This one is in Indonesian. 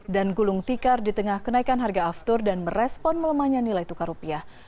dan gulung tikar di tengah kenaikan harga aftur dan merespon melemahnya nilai tukar rupiah